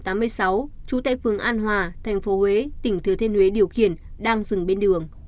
trú tại phương an hòa thành phố huế tỉnh thứa thiên huế điều khiển đang dừng bên đường